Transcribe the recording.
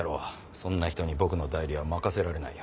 そんな人に僕の代理は任せられないよ。